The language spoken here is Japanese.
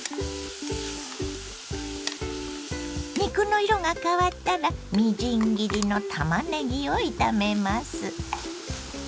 肉の色が変わったらみじん切りのたまねぎを炒めます。